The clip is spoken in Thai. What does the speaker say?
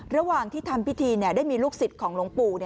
ระหว่างที่ทำพิธีได้มีลูกศิษย์ของหลวงปู่